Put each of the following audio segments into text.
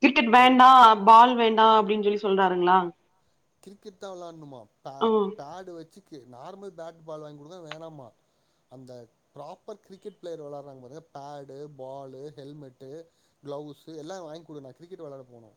Cricket hello வேண்டா ball வேண்டா அப்டின் சொல்லி சொல்றாருங்களா கிரிக்கெட் தா விளாணுமா ப ம் பேடு வச்சு நார்மல் பேட் பால் வாங்கி குடுக்க வேணாம்மா அந்த ப்ராப்பர் கிரிக்கெட் பிளேயர் வெளாட்றாங்க பாருங்க பேடு பாலு ஹெல்மெட்டு க்ளவுஸ் எல்லாம் வாங் குடுங்க நா கிரிக்கெட் வெளாட போனு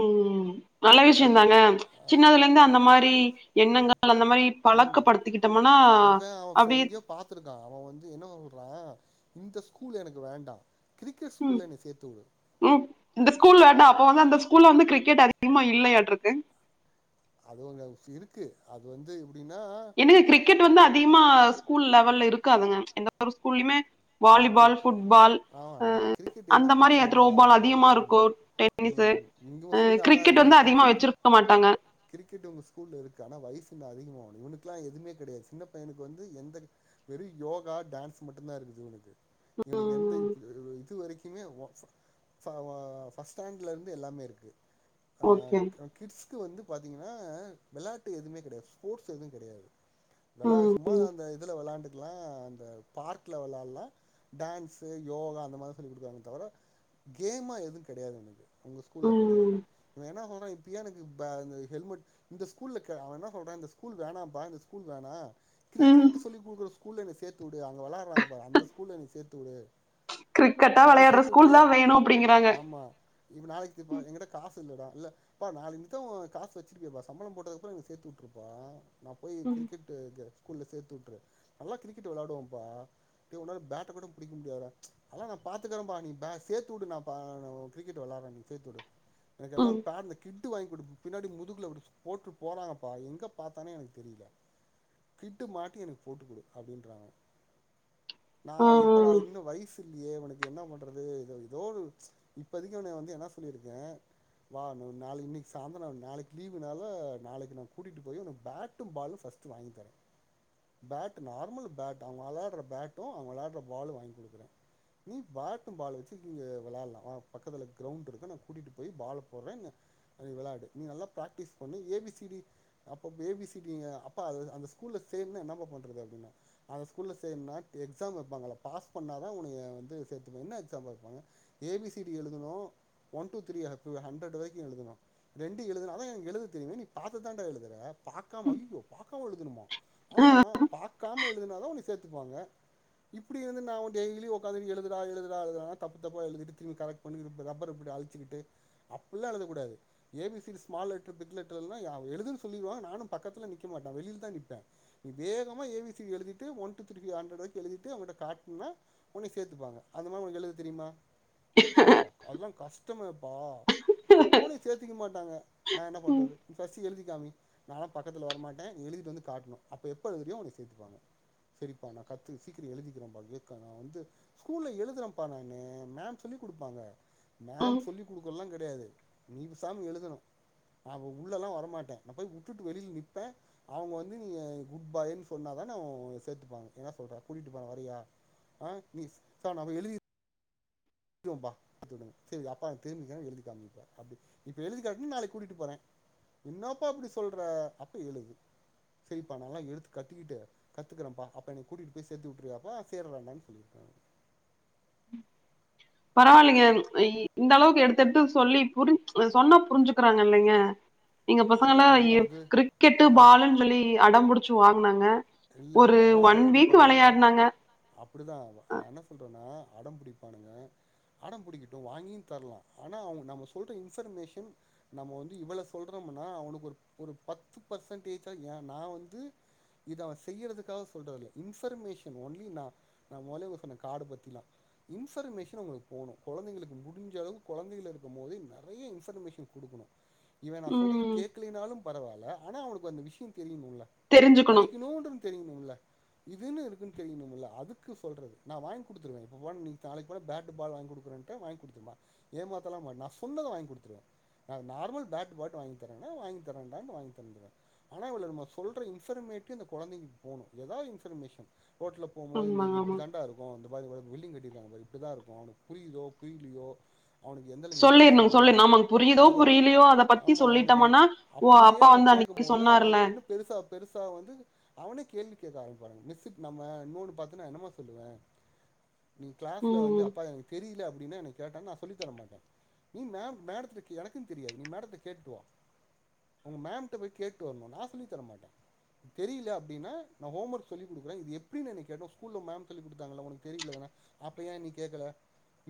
உம் நல்ல அப்படி விஷ்யம்தான ஜின்னதுலருந்து அந்த மாரி எண்ணங்கள் அந்த மாரி பழக்கப்படுத்திக்கிட்டோம்மனா நா ஒ ஃப்ப எங்யோ பாத்திருக்கா அவ் வந்து என்ன சொல்றா இந்த ஸ்கூல் எனக்கு வேண்டா கிரிக்கெற ம் கூல்ல என்ன சேத்துவுடு ம் இந்த ஸ்கூல அண்டா அப்ப வந்து அந்த ஸ்கூல்ல வந்து கிரிக்கெட் அதிகமா இல்லையாட்ருக்கு அது ஒரு இருக்கு அது வந்து எப்டீன்னா ஏங்க கிரிக்கெட் வந்து அதிகமா ஸ்கூல் லெவல்ல இருக்காதுங்க எந்த ஒரு ஸ்கூல்யுமே இருக்கு வாலிபால் இருக்கு ஃபுட்பால் ஆமா அ ஆமா கிரிக்கெட் என்ன அந்த மாதிரி த்ரோ பிரச்சனன்னா பால் அது அதிகமாருக்கோ ஆமா இனி சார் ம் இங்க ஸ்கூல்ல அதா கிரிக்கெட் இருக்குது வந்து அதிகமா கிரிக்கெட் வச்சிருக்க மாட்டாங்க கிரிக்கெட் இவுங்க ஸ்கூல்ல இருக்கு ஆனா வயசு இன்னு அதிகமாககணும் இவனுக்லா எதுமே கடையா சின்ன பையனுக்கு வந்து எந்த வெறும் யோகா டான்ஸ் மட்டுந்தான் இருக்குது இவனுக்கு எந்த ம் இதுவரைக்கு கிமே ஃபா ஃபர்ஸ்ட் ஸ்டன்லருந்து எல்லாமே இருக்கு ஓகே அ கிட்ஸ்க்கு வந்து பாத்தீங்கன்னா அ வெளாட்டு எதுமே கெடையாது ஸ்போர்ட்ஸ் எதும் கெடையாது ம் வெளா சும்மா அந்த இதுல வெளாண்டுக்கலா அந்த பார்க்கல வெளாட்லா டான்ஸு யோகா அந்த மார்தா சொல்லி குடுக்குறாங்க தவர கேமா எதும் கெடயாது இவுனுக்கு ஒங்க ஸ்கூல்ல கெடையாது ம் இவன என்ன சொல்ற இப்பயே எனக்கு ப இந்த ஹெல்மெட் இந்த ஸ்கூல்ல க அவன் என்ன சொல்றான் இந்த ஸ்கூல் வேணாம்ப்பா இந்த ஸ்கூல் வேணா ம் கிரிக்கெட் சொல்லி குடுக்குற ஸ்கூல்ல என்ன சேத்துவுடு அங்க வெளாட்றாங்க பா அந்த ஸ்கூல்ல என்ன சேத்துவுடு கிரிக்கெட்டா நாளைக்கு விளையாடுற சேத்து ஸ்கூல் விட்டறயா தான் வேணும் அப்படிங்கறாங்க ஆமா இப்ப நாளைக்குப்ப எங்கட்ட காசு இல்லடா இல்ல அப்பா நாளனிக்கா ஓ காசு வச்சிருப்பியேப்பா சம்பளம் போட்டது அப்புறம் என்ன சேத்து விட்டுருப்பா நா போய் ம் கிரிக்கெட்டு ஸ்கூல்ல சேர்த்து விட்ரு நல்லா கிரிக்கெட் வெளாடுவேன்ப்பா டே உன்னால பேட்ட குட புடிக்க முடியாதடா அதல்லா நான் பாத்துக்கறேன்ப்பா நீ ப சேத்துவுடு நா பா கிரிக்கெட் வளாடுறேன் நீ சேத்துடு எனக்கு ம் எல்லாம் பேட்னெக் கிட்டு வாங்கி கொடு பின்னாடி முதுகுல ஒடு போட்டு போறாங்கப்பா எங்க பாத்தானே எனக்கு தெரிது கிட்டு மாட்டி எனக்கு போட்டுக்குடு அப்டின்றாங்க நா ஆ ஆ இப்ப நா இன்னு வயிசு இல்லயே ஒனக்கு என்ன பண்றது இது ஏதோ ஒன்னு இப்பதிக்கு இவன வந்து என்ன சொல்லிவச்சிருக்கேன் வா நாளைக் இன்னைக்கு சாயந்தரம் நாளைக்கு லீவுனால நாளைக்கு நா கூட்டிட்டு போய் பேட்டும் பாலும் ஃபஸ்ட் ட்டு வாங்கி தரேன் பேட்டு நார்மல் பேட்டா வெளாட்ற பேட் ட்டு வெளாடுற பாலும் வாங்கி குடுக்குறேன் நீ பேட்டும் பாலும் வச்சு இங்க வெளாட்லாம் பக்கத்துல கிரவுண்ட்ருக்கு நா கூட்டிட்டு போய் பால்ல போறங்க அ வெளாடு நீ நல்லா பிராக்டிஸ் பண்ணி ஏபிசிடி அப்ப ஏபிசிடி அப்பா அந்த ஸ்கூல்ல சேந்துனா என்னப்பா பண்றது அப்டின்னா அந்த ஸ்கூல்ல சேருனா எக்ஸாம் வப்பாங்க பாஸ் பண்ணாதா உன்ன வந்து சேத்துப்பாங்க என்ன எக்ஸாம் வப்பாங்க ஏபிசி டி எழுதனு ஒன் டூ த்ரீ ஹண்ட்ரட் வரைக்கு எழுதணு ரெண்டு எழுதுனு அதா எனக்கு எழுத தெரியுமே நீ பாத்துதாண்டா எழுதுற பாக்காம ஐயய்யோ பாக்காம எழுதுணுமா ஆமா பாக்காம எழுதுனாதா உன்ன சேத்துப்பாங்க இப்டி வந்து நா டெய்லி உக்காந்து எழுதுடா எழுதுடா எழுதுடாதப்பு தப்பா எழுதிட்டு திருப்பி கரெக்ட் பண்ணி ரப்பர் இப்பிடி அலிச் அலச்சிக்கிட்டு அப்டில்லா எழுதக்கூடாது A B C D small letter big letter எழுதுன்னு சொல்லிருவாங்க நானு பக்கத்துல நிக்க மாட்டே வெளியில தா நிப்பே நீ வேகமாக ஏபிசிடி எழுதிட்டு ஒன் டு த்ரீ ஹண்ட்ரடு வரைக் எழுதிட்டு அவுங்க கிட்ட காட்டனா உன்ன சேத்துப்பாங்க அதுலா உனக்கு எழுத தெரியுமா அப்பா அதெல்லாம் கஷ்டமேப்பா அப்ப உன்ன சேத்துக்க மாட்டாங்க நான் என்ன ம் பண்றது ஃபஸ்ட் நீ எழுதிக்காமி நானும் பக்கத்தில வரமாட்டே எழுதிட்டு வந்து காட்டணும் அப்ப எப்ப எழுதுறியோ உன்ன சேத்துக்குவாங்க செரிப்பா நா காட் சீக்கிரோ எழுதிக்கிறேன்ப்பா நா வந்து ஸ்கூல்ல எழுதுறேப்பா நானு மேம் சொல்லிக் குடுப்பாங்க ம் மேம் சொல்லி இதெல்லாம் கெடையாது நீ பெசாம எழுதணும் நா உள்ளலா வரமாட்டே நா போய் விட்டுட்டு வெளியில நிப்பே அவுங்க வந்து நீ குட் பாய்ன்னு சொன்னாதா நா சேத்துப்பாங்க எங்க உன்ன கூட்டிட்டு போறே வரியா அ பிளீஸ் எழுதிருவே எழுதுவேப்பா அப்டின்னு சரி அப்பா திரும்பி கேளுங்க எழுதி காமிப்பே அப்டி இப்ப எழுதிக்காட்டு நாளைக்கு கூட்டிட்டு போறேன் என்னப்பா இப்டி சொல்ற அப்ப எழுது சரிப்பா நல்லா எழுத கத்துக்கிட்டு கத்துக்கறேப்பா அப்ப என்னை கூட்டிட்டு போயி சேத்து விட்ருயாப்பா சேரி சொல்லிருக்கே பரவாயில்லைங்க இந்த அளவுக்கு எடுத்து எடுத்து சொல்லி புரிஞ் சொன்னா புரிஞ்சுக்கிறாங்க இல்லைங்க எங்க பசங்கல்ல அதான் மேடம் அது கிரிக்கெட்டு அது பாலுன்னு சொல்லி அடம்புடிச்சு வாங்குனாங்க இல்ல ஒரு ஒன் வீக் வெளையாடுனாங்க அப்டிதா நா என்ன சொல்றேனா அடம் பிடிப்பானுங்க அடம் பிடிக்கட்டும் வாங்கிய தரலா ஆனா அவுங்க நம்ம சொல்ற இன்ஃபர்மேஷன் நம்ம வந்து இவ்ளவு சொல்றோம்னா அவனுக்கு ஒரு ஒரு பத்து பர்சன்டேஜா ஏஜ் நா வந்து இது அவே செய்றதுக்காக சொல்றது இல்ல இன்ஃபர்மேஷன் ஓன்லி நா நா மொதல்லவே சொன்னே கார்ட பத்திலா இன்ஃபர்மேஷன் உங்களுக்கு போணு கொழந்தைங்களுக்கு முடிஞ்ச அளவு கொழந்தைகள் இருக்கும் போதே நெறைய இன்ஃபர்மேஷன் குடுக்கணும் [inaudible] இவே நா சொல்றது ம் கேக்கலனாலு பரவாயில்ல ஆனால் அவனுக்கு அந்த விஷயம் தெரியணும்ல தெரிஞ்சுக்கணும் படிக்கணும்யின்ற தெரியணும்ல இதுன்னு இருக்குன்னு தெரியணும்ல அதுக்கு சொல்றது நா வாங்கி குடுத்துருவே இப்ப போட நீ நாளைக்கு போட பேட் பால் வாங்கி குடுக்குறே வாங்கி குடுத்துருமா ஏமாத்தலா மாட்டே நா சொன்னத வாங்கி குடுத்துருவே நா நார்மல் பேட்டு பாட்டு வாங்கி தரேன்னே வாங்கி தரேன் டா னு வாங்கி தந்துருவே ஆன இவுளுக்கு நா சொல்ற இன்ஃபர்மேட் ட்டு கொழந்தைக்கு போனும் ஏதாவது இன்ஃபர்மேஷன் ரோட்ல போம் போது ஆமாங்க இந்தது ஆமா இப்டி தாண்டா இருக்கும் இ அந்த மாரி வந்து பில்டிங்கு கட்டி இருக்காங்க பாரு இப்டி தான் இருக்கும் அவனுக்கு புரியுதோ புரிலயோ அவனுக்கு எந்த அளவுக்கு இன்ட்ரெஸ்ட் சொல்லிடணும் சொல்லி இல்லயோ நமக்கு புரியுதோ அததான் புரியலையோ அத பத்தி ஆமாம் அவனுக்கு அந்த சொல்லிட்டோம்னா ஓ அப்டியே அப்பா நம்ம வந்து கேட்க அன்னைக்கு போது சொன்னாருல அவனுக்கு பொன்னுக்கு பெருசா பெருசா வந் அவனே கேள்வி கேக்க ஆரம்பிப்பா மிஸ்க் நம்ம இன்னொன்னு பாத்தேன்னா என்னமா சொல்லுவே நீ கிளாஸ்ல வந்து ம் அப்பா எனக்கு தெரியல அப்டின்னா என்ன கேட்டா நா சொல்லு சொல்லித்தர மாட்டே நீ மேட் மேடத்துட் எனக்கும் தெரியாது நீ மேடத்த கேட்டுவா உங்க மேம் கிட்ட போயி கேட்டு வரணூ நா லீவ் தர மாட்டே தெரியல அப்படின்னா நா ஹோம் ஒர்க் சொல்லி கொடுக்குறோ இது எப்டி கேட்ட ஸ்கூல மேம் சொல்லி கொடுத்தாங்களா உனக்கு தெரியலனா அப்ப ஏன் நீ கேடக்கல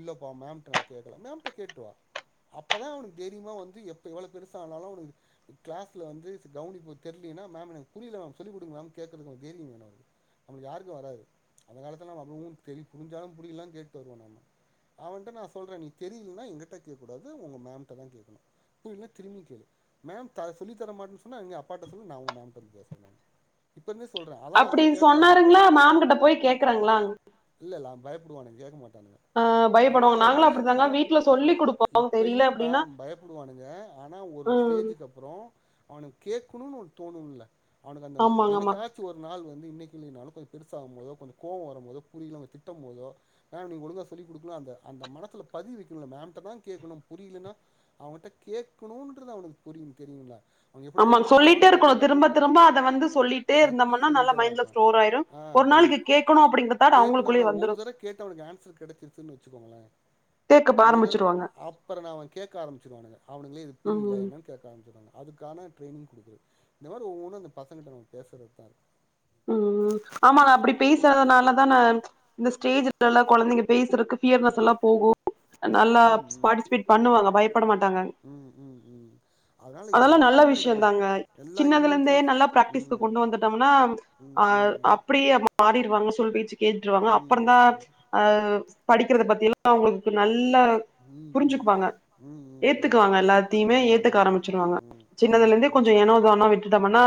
இல்லப்ப மேம்கிட்ட நா கேக்கல மேம்ட்ட கேட்டுவா அப்பதா அவனுக்கு தைரியமா வந்து எப்ப எவ்ளோ பெருசனாலூ அவனுக்கு கிளாஸ்ல வந்து கவனிக்க தெர்லன்னா மேம் எனக்கு புரியல மேம் சொல்லி குடுங்க மேம் கேடக்குறதுக்கு தைரியம் வேனூ அவனுக்கு அப்புறோ யாருக்கும் வராது அந்த காலத்தில நம்ம அவுங்களுக்கூ தெரிஞ் புரிஞ்சாலூ கேட்டு வருவோ நம்ம அவெங்கிட்ட நா சொல்றே நீ தெரியலன்னா எங்கிட்ட கேக்க கூடாது உங்க மேமிட்ட தா கேக்கணூ தெர்லனா திரும்பி கேளு மேம் தர சொல்லி தர மாட்டோன்னு சொன்னா நீ அப்பா கிட்ட சொல் நா ஊ நா அவங் கிட்ட பேசறே எப்பையுமே சொல்றா அனா அப்படி அவனூ கேக்க மாட்டா சொன்னாருங்களா மேம் கிட்ட போய் கேக்குறாங்களா இல்ல இல்ல பயடுவானுங் கேக்க மாட்டானுங்க ஆ ஆனா பயப்படுவாங்க நாங்களு வந்து அப்டித்தாங்க ஆ வீட்ல சொல்லி குடுப்போம் தெரியல இப்பபையூ அப்டின்னா பயப் பயப்படுவானுங்க ஆனா ஒரு ம் ஸ்டேஜுக்கு அப் அப்புறோ அவனுக்கு கேட்கணும்ன்னு ஒண்ணு தோணும்ல்ல அவனுக்கு அந்த ஆமாங்க ஆமா என்னைக்காத் ச்சு ஒரு நாள் வந்து இன்னிக்கு நடந்ததூ பெரூசா ஆவும் போதோ கொஞ்சம் கோவம் வரும் போதோ புரியலன்னு அவெ திட்டூ போதோ மேம் நீங்க ஒழுங்கா சொல்லிக் கொடுக்கலன்னா அந்த மனத்தல பதியா வைக்கணூ மேம் கிட்ட தா கேட்கணூ புரியலன்னா அவங்கிட்ட கேக்கணுன்றது அவனுக்கு புரியூ தெரியுங்களா ஆமாங் சொல்லிட்டே இருக்கணூ திரும்ப திரும்ப அத வந்து வந்து சொல்லிட்டே எப்பயு இருந்தம்ன்னா நல்லா சொல்லிக்கிட்டே தா மைண்ட்ல இருப்பே ஸ்டோர் ஆயிரூ ஆ ஒரு நாளைக்கு இவனுக்கு கேட்கணு அப்பிடின்ற தாட் கேட்கணு அவங்களுக்குள்ளே ஆனா வரூ ஒரு தடவ கேட்டு அவனுக்கு ஆன்சர் கிடைச்சிருச்சன்னு வச்சுக்கோங்களே கேட்க ஒர் தர ஆரம்பிச்சிருவாங்க அப்புற அவன் கேட்க ஆரமிச்சிருவானங்க அவனுங்களே இது புரியல ம் என்னன்னு கேட்க ஆரமிச்சுடுவாங்க அதுக்கான ட்ரைனிங் கொடுக்கிறது இந்த மாதிரி ஒவ்வொன்னா இத பசங்கிட்டா பேசுறது தா இருக் ம் ஆமா நா அப்டி பேசாதனால தா நா இந்த ஸ்டேஜ்ஸ்லா குழந்தைங்க பேசுறதுக்கு ஃபியர்னஸ் எல்லா போகூ அ நல்லா ம் பார்டிசிபேட் பண்ணுவாங்க பயப் பட மாட்டாங்க ம் ம் ம் ம் அதனால அது எல்லா அங்க நல்ல ஸ்கூல்ல விஷயோ நடக்கிற தாங்க எல்லா சின்னதுல இருந்தே ஈவெண்ட்லயும் நல்லா பிராக்டிஸ்க்கு ம் கொண்டு வந்துட்டோம்ன்னா ம் அ ம் ம் அப்படியே அவங் மாறிடுவாங்க சொல்லு பேட்ச்சு கேட்டுறுவாங்க ம் ம் அப்புறந்தா அ படிக்கிறத பத்தி எல்லா அவங்களுக்கு நல்ல ம் ம் ம் ம் ஏத்துக்குவாங்க ம் ம் ம் எல்லாத்தையுமே ஏத்துக்க ஆரம்பிச்சுருவாங்க ம் ம் ம் சின்னதுலருந்தே கொஞ்சொ ஏனோ தானோ விட்டுடோம்னா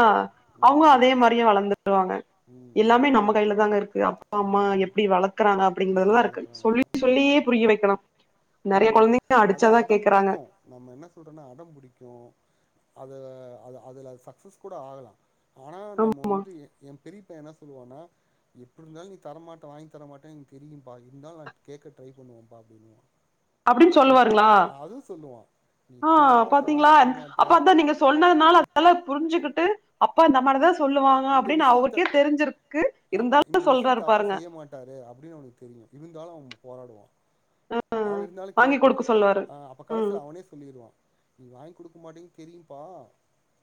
அவங்க அதே ம் மாறியே வளர்ந்துட்டுவாங்க ம் எல்லாமே ம் நம்ம ம் கையில தாங்க இருக்கு அப்பா அம்மா ஆமா ஆமா எப்படி வளக் வளக்குறாங்க அப்படிங்கறதுல எப்படி தா இருக்கு வளர்க்குறாங்க அதான் சொல்லிட் ஆமா சொல்லியே ஆமா புரிய வைக்கணோ ம் ம் அது அடம் கேக்குறாங்க புடிக்கூ நம்ம என்ன சொல்றோன்னா அடம் புடிக்கூ அத அது அது சக்சஸ் கூட ஆகலா ஆனா நம்ம வந்து என் ஏ பெரியப் பையே என்ன சொல்லுவானா எப்டி இருந்தாலூ நீ தரமாட்ட வாங்கி தரமாட்டே எனக்கு தெரீயூம்பா இருந்தாலும் நா கேட்க ட்ரை பண்ணுவம் வோம்ப்பா இன்னூவா அப்படின் சொல்லு வாருங்களா சொல்லுவா நீ ஆ தரமாட்ட பாத்தீங்களா வாங்கி தரமாட்ட அப்ப அதா நீங்க சொன்னதுனால அதெல்லா புரிஞ்சுக்கிட்டு அப்பா இந்த மாதிரித் தா சொல்லுவாங்க இந்த அப்படின்னு விஷயத்த அவருக்கே தெரிஞ்சிருக்கு இருந்தாலூ சொல்றாரு பாருங்க சொல்டாரூ அப்படின்னு அவனக்கு தெரியூ இருந்தாலூ அவெ போராடுவா அவெ இருந்தாலூ வாங்கி கேப்பா குடுக்க சொல்லுவாரு ஆ அப்ப ம் கடைசியா அவனே சொல்லிருவா நீ வாங் குடுக்க மாட்டேன்னு தெரியூம்பா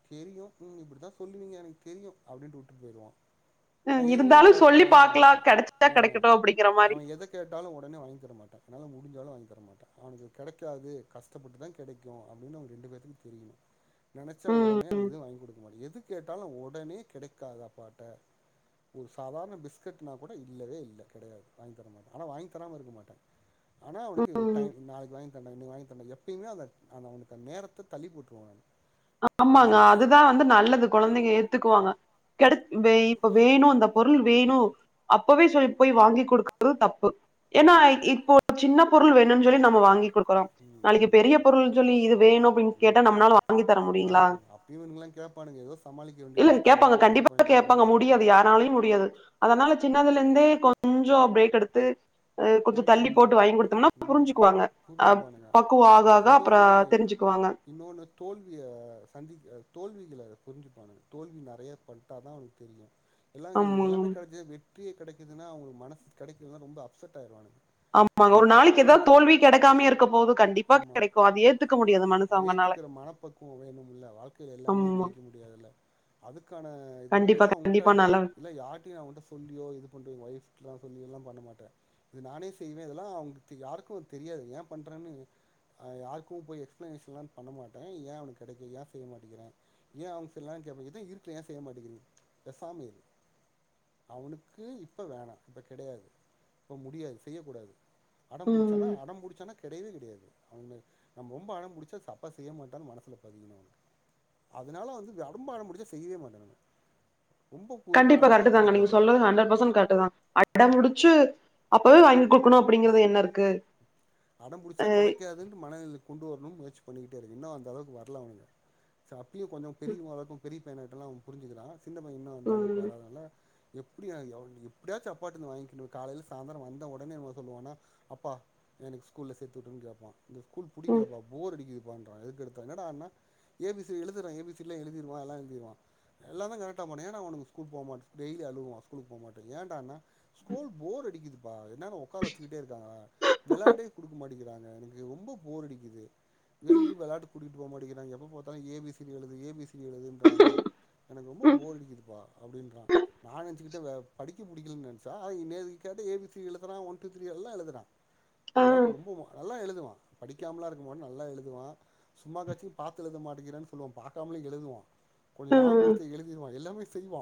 தெரியூ நீங்க இப்படித்தா சொல்லுவீங்கன்னு எனக்கு தெரியூ அப்படின்ட்டு வுட்டுறு போயிடுவான் நா எதூவ்மே இருந்தாலு கேட்டவுட்னே சொல்லி வாங்கி பாக்கலா தரமாட்டே கெடச்சா ஆ கெடைக்கட்டு அப்டிங்கிற மாரி அவன் எத கேட்டாலும் உடனே வாங்கி தரமாட்டே என்னால முடிஞ்சாலுவுக்கு வாங்கி தர மாட்டே அவனுங்களுக்கு கிடைக்காது கஷ்டப்பட்டு தா கிடைக்கூ அப்படின்னு அவனுங் ரெண்டு பேத்துக்கூ தெரியணூ நினைச்சா ம் உடனே அது இது வாங்கி கூடுக்க மாட்டே எது கேட்டாலு உடனே கெடைக்காது அப்பாட்ட ஒரு சாதாரண பிஸ்கெட்னா கூட இல்லவே இல்ல கெடையாது வாங்கி தர மாட்டே ஆனா வாங்கி தராம இருக்க மாட்டே ஆனா அவனுக்கு ஒரு ம் டைம் நாளை வாங்கிதறேன்டா இன்னிக்கு வாங்கி தருவேன் இல்லங்க அந்த அந்த அவனுக்கு நேரத்த தள்ளி போட்டுருவோங்க ஆமாங்க அதுதா வந்து நல்லது கொழந்தைங்க ஏத்துக்குவாங்க கிடை இப்ப வேணு அ பொருள் வேணு அப்பவே சொல்லி போய் வாங்கி குடுக்குறது தப்பு ஏன்னா இப்போ சின்ன பொருள் வேணும்ன்னு சொல்லி நம்ம வாங்கி குடு க்குறோ ம் நாளைக்கு ம் பெரிய ம் பொருள் சொல்லி இது வேணு அப்டினு கேட்டா நம்மளால வாங் வாங்கி குடுப்போ அப்பயும் இவனுங்கல்லாம் கேட்பானுங்க ஏதாது சமாளிக்க வேண்டிதா அப்புறோ வாங்கி குடுக்கே இப்ப வாங்கி குடுக்கே யாரலயு முடியாது அதனால சின்னதுலருந்தே கொஞ்சோ பிரேக் எடுத்து ஈ கொஞ்சோ ம் வாங்கி குடுத்தோம்னா ம் புரிஞ்சுக்குவாங்க ஆ புரிஞ்சுப்பானுங்க பக்குவம் ஆக ஆக அப்றோ தெரிஞ்சுக்குவாங்க இன்னொனு தோல்விய சந்திக்க தோல்விகள புரிஞ்சுப்பாங்க தோல்வி நறையா பண் டாதா அவனுக்கு தெரியு எல்லாம்ங்க ஆமாங்க. எல்லாமே கெடைச்சது வெட்டியா கெடைக்குதுன்னா அவுங்க மனசு கெடைக்கிறதுதா ரொம்ப அப்செட் ஆயிடுவானுக ஆமா ஒரு நாளைக்கு ஏதாவது தோல்வி கெடைக்காமயாருக்க போகுது கண்டிப்பா ஆமா கெடைக்கும் அது ஏத்துக்க முடியாது மனசு அவுங்கனால பக்குவோ வேணுமுல்ல வாழ்க்கைல எல்லாமே ஜெயிக்க முடியாதுல்ல அதுக்கான கண்டிப்பா, இதுலதெல்லா அவுங்கட்ட கண்டிப்பா நல்ல இல்ல யார்டயு அவுங்கட்ட சொல்லியோ இது பண்ணியோ ஒய்ஃப்கெல்லா சொல்லில்லாம் பண்ண மாட்டா இது நானே செய்வே இதெல்லா அவனுக்கு யாருக்குமே தெரியாது ஏ பண்றேன்னு அ யாருக்கும் போய் எக்ஸ்ப்ளனேஷன்ல்லாம் பண்ண மாட்டேன் ஏ அவனுக்கு கெடைக்கல ஏ செய்ய மாட்டிக்கிறே ஏன் அவனுக்கு செய்யலாம்ல கேப்ப இருக்கல ஏ செய்ய மாட்டீக்குறீங்க பேசாம இரு அவனுக்கு இப்போ வேணா இப்போ கெடையாது இப்போ முடியாது செய்யக்கூடாது அடம் பிடிச்சானா ம். அடம் பிடிச்சானா கெடையவே கெடையாது அவுங்க நம்ம ரொம்ப அடம் பிடிச்சா அப்பா செய்ய மாட்டாருனு மனசுல பதியணு அதனால வந்து ரொம்ப அடம் பிடிச்சா செய்யவே மாட்டே நானு கண்டிப்பா கரெக்டு தாங்க நீங்க கெடைக்காது சொல்றது ஹண்ட்ரட் பேசன்ட் கரெக்டு தா அடம் புடிச்சு அப்பவே வாங்கி குடுக்கணு அப்டிங்கறது என்ன இருக்கு அடம் பிடிச்சா அ கெடைக்காதுன்னு மனதில கொண்டு வரணும்னு முயற்சி பண்ணிக்கிட்டேருக்கே இன்னு அந்த அளவுக்கு வரல அவனுங்க ச அப்டியு கொஞ்சோ பெரியவ அளவுக்கு பெரிய பையே ஆய்டான்ல அவன் புரிஞ்சிகிறா சின்ன பையன்னு அந்த அளவுக்கு ம். வளராதனால எப்டியா எப்டியாச்சு அப்பாட்டருந்து வாங்கிக்கிணு காலைல்ல சாயந்தரோ வந்த உடனே அவன் சொல்லுவானா ஆனா அப்பா எனக்கு ஸ்கூல்ல சேத்து விட்டறுங்கப்பா எனக்கு இந்த ஸ்கூல் ம். புடிக்கலப்பா போர் அடிக்குது எதுக்கெடுதாலு என்னடா நா எ பி சி எழுதுறா எ பி சி லா எழுதிருவா எல்லா எழுதிருவா எல்லாந்தா கரட்டா பான்னுவா ஏன்னா அவனுக்கு ஸ்கூல் போமாட்டா டெய்லி அழுவுவா ஸ்கூலுக்கு போமாட்டா ஏன்டான்னா ஸ்கூல் போர் அடிக்குதுப்பா என்னேரேமு உக்கார வச்சுக்கிட்டே இருக்காங்கே விளாடே குடுக்கமா ட்டிக்கிறாங்கே எனக்கு ரொம்ப போர் அடிக்குது வெளிலே விளாட கூட்டிட்டு போ மாட்டிறாங்கே எப்பா பாத்தாலு ஏ பி சி டி எழுது ஏ பி சி எழுதுன்றாங்க எனக்கு ரொம்ப ம். போர் அடிக்குதுப்பா அப்பிடின்றா நா நெனசிக்கிட்டே படிக்கே படிக்க புடிக்லன்னு நெனச்சா நேத்து கேட்டா ஏ பி சி எழுதுறா ஒன் டூ திரீ எல்லா எழுதுறா ஆ. ஓரளவுக்கு ரொம்பே நல்லா எழுதுவா படிக்காமலா இருக்க மாட்டா நல்லா எழுதுவா சும்மா காட்சியு பாத்து எழுத மாட்கிறானு சொல்லுவோ பாக்கமேயே எழுதுவா கொஞ்சோ ம். ஞாபப்படுத்தி எழுதி ருவா எல்லாமே செய்வா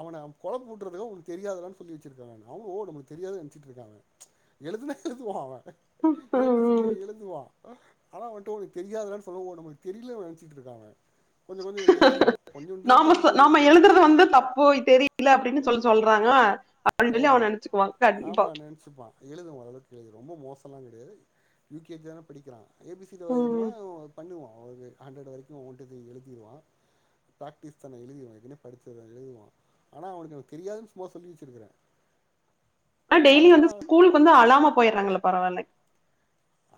அவன அவ குழம்பி வுட்டுறதுக்க அவனுக்கு தெரியாதுடானு சொல்லி வச்சுறுக்காங்க அவனோ நம்மளுக்கு தெரியாதுன்ன நெனச்சிட்டுருக்காங்க எழுத்துனா எழுதுவா அவே ஏ பி சி டி ம். எழுதுவா ஆனா வந்துட்டு உனக்கு தெரியாததுடான்னு சொல்லவு நமக்கு தெரியலனு நெனைச்சிட்டுருக்கா அவே கொஞ்சோ கொஞ்சோ எழுதிடுவா கொஞ்சோண்டு தா தப்பு பண்ணுவோ தவிர போய் தெரில அப்டின்னு சொல்லி சொல்றாங்கே அப்டின்னு சொல்லி அவன் நனச்சுக்குவான் கண்டிப்பா வச்சுப்பா எழுதவா ஓரளவுக்கு எழுது ரொம்ப மோசம்லா கடையாது யு கே ஜி தானே படிக்கறா ஏ பி சி டி எழுதுவா ம். பண்ணுவா ஒரு ஹண்ட்ரட் வரைக்கு ஒன் டு த்ரீ எழுதிடுவா ப்ராக்டிஸ் தானே எழுதிருவா எதுமே படிச்சததுதா எழுதுவா ஆனா அவனுக்கு தெரியாதுனு சும்மா சொல்லி வச்சுருக்கற ஆ டெய்லி வந்து ஸ்கூலுக்கு வந்து அளாம போய்ட்றாங்கல்ல பரவால்ல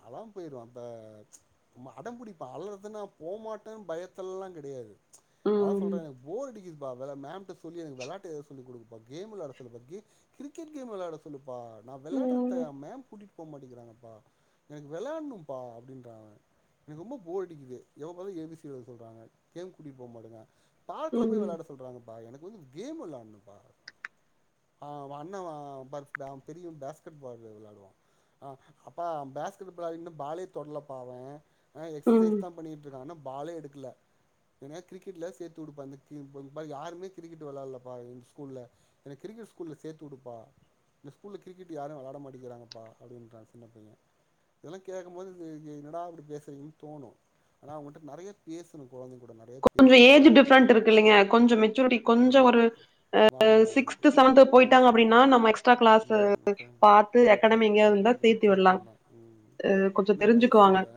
அளாமா போயிருவா இப்ப அடம் புடிப்பா அழுறது நா போமாட்டேன்னு பயத்தல்லா கடையாது அதா ம். சொல்றேனே எனக்கு போர் அடிக்குதுப்பா பா மேம் எனக்கு விளாட்டு எதா சொல்லி குடுப்பா கேம் விளாட சொல்லு பா கிரிக்கெட் கேம் விளாட சொல்லுப்பா நா வெளாட்றதே ம். மேம் கூட்டிகிட்டு போக மாட்டேங்கறாங்கப்பா எனக்கு வெளாடுன்ப்பா அப்டின்றா அவன் எனக்கு ரொம்பே போர் அடிக்குது எப்ப எப்பாத்தாலும் ஏ பி சி எழு சொல்றாங்க கேம் கூட்டிடு போக மாட்டேங்காங்க பார்க்ல போய் ம். விளையாட சொல்றாங்கப்பா எனக்கு வந்து கேம் வெளாடனுப்பா ஆ அவே அண்ணே பாத்துப்பா பெரியவே பேஸ்கெட்பால் வெளாடுவா ஆ அப்பா பேஸ்கெட்பால் பாலே தொடல பா அவன் அ ம் எக்ஸசைஸ் தா பண்ணிட்டுருக்கா இன்னு பாலே எடுக்கலே ஏன்னய கிரிக்கெட்லயா சேத்துடுப்பா இ ப யாருமே கிரிக்கெட் விளாடலப்பா எ ஸ்கூல்ல என்னே கிரிக்கெட் ஸ்கூல்ல சேத்து உடுப்பா இந்த ஸ்கூல்ல கிரிக்கட் யாரு வெளாட மாட்டிங்கறாங்ப்பா அப்டின்றா சின்னப்பைய இதெல்லா கேக்கும் போது இ என்டா இப்டி பேசறீங்கன்னு தோணும் ஆனா அவங்கட்ட நறைய பேசணும் கொழந்த கூட நெறைய கொஞ்ச பேசணு ஏஜ் டிஃப்ரன்ண்ட் இருக்கு இல்லிங்க கொஞ்சோ மெச்சூரிட்டி கொஞ்சோ ம் ஒரு ஆ வரணு சிஸ்க்த் அதுக்கு சிக்த் செவன்த் ம் போயிட்டாங்க அப்டின்னா நம்மே எஸ்ட்ரா கிளாஸ் ம் ஓகே பாத்து அகாடமி எங்கயா இருந்தா கொடுக்கலாம் சேத்து விடலா விடலாம் ம் கொஞ்ச இன்னும் வயசு தெரிஞ்சுக்குவாங்கே இல்ல